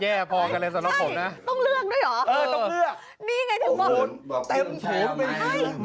แย่พอกันเลยสำหรับผมนะต้องเลือกด้วยเหรอเออต้องเลือก